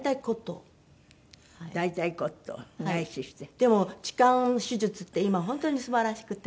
でも置換手術って今本当に素晴らしくて。